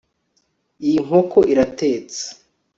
Iyi nkoko iratetse